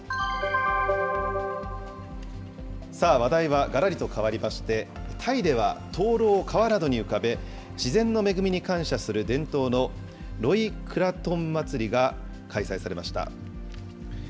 さあ、話題はがらりと変わりまして、タイでは灯籠を川などに浮かべ、自然の恵みに感謝する伝統のロイクラトン祭りが開催されました。